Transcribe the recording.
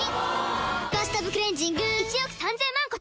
「バスタブクレンジング」１億３０００万個突破！